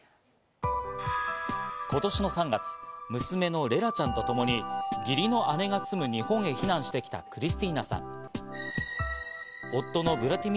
今年の３月、娘のレラちゃんとともに義理の姉が住む日本へ避難してきたクリスティーナさん。